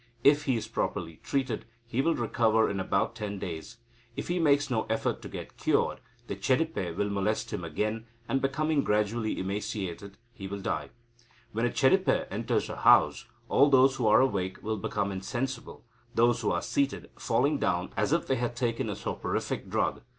If he is properly treated, he will recover in about ten days. If he makes no effort to get cured, the Chedipe will molest him again, and, becoming gradually emaciated, he will die. When a Chedipe enters a house, all those who are awake will become insensible, those who are seated falling down as if they had taken a soporific drug.